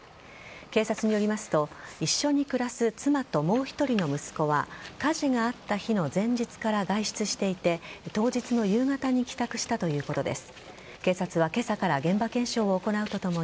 警察によりますと、一緒に暮らす妻ともう１人の息子は火事があった日の前日から外出していて当日の夕方に帰宅したということです。